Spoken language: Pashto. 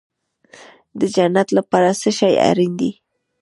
د جنت لپاره څه شی اړین دی؟